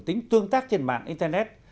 tính tương tác trên mạng internet